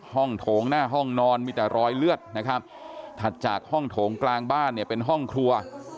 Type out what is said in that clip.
โถงหน้าห้องนอนมีแต่รอยเลือดนะครับถัดจากห้องโถงกลางบ้านเนี่ยเป็นห้องครัว